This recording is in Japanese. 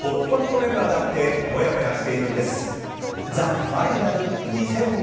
メンバーだってもやもやしてるんです！